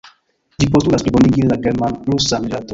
Ĝi postulas plibonigi la german-rusan rilaton.